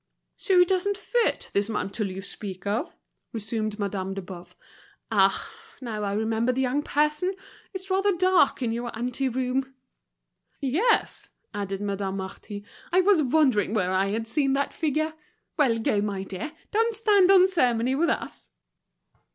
"So it doesn't fit, this mantle you speak of?" resumed Madame de Boves. "Ah! now I remember the young person. It's rather dark in your ante room." "Yes," added Madame Marty, "I was wondering where I had seen that figure. Well, go, my dear, don't stand on ceremony with us."